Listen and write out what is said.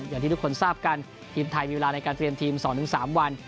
อย่างที่ทุกคนทราบกันทีมไทยมีเวลาในการเตรียมทีม๒๓วัน